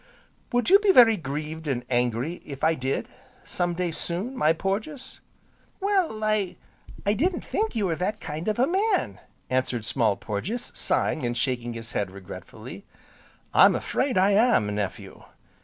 "Would you be very grieved, and angry, if I did, some day soon, my Porges?" "Well, I I didn't think you were that kind of a man!" answered Small Porges, sighing and shaking his head regretfully. "I'm afraid I am, nephew."